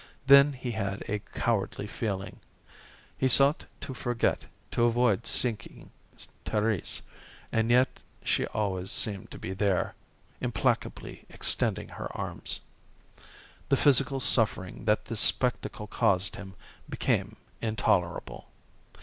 Then he had a cowardly feeling. He sought to forget, to avoid seeing Thérèse, and yet she always seemed to be there, implacably extending her arms. The physical suffering that this spectacle caused him became intolerable.